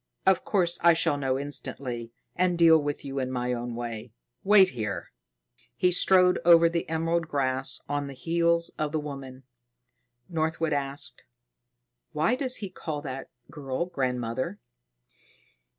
Of course I shall know instantly and deal with you in my own way. Wait here." He strode over the emerald grass on the heels of the woman. Northwood asked: "Why does he call that girl grandmother?"